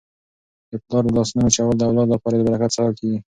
د پلار د لاسونو مچول د اولاد لپاره د برکت سبب کیږي.